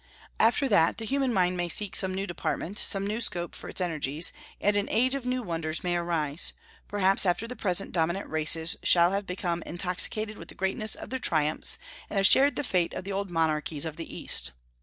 After that the human mind may seek some new department, some new scope for its energies, and an age of new wonders may arise, perhaps after the present dominant races shall have become intoxicated with the greatness of their triumphs and have shared the fate of the old monarchies of the East.